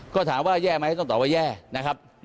ก็ถามว่าแย่ไหมต้องตอบว่าแย่นะครับ